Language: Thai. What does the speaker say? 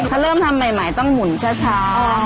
ถ้าเริ่มทำใหม่ต้องหมุนช้า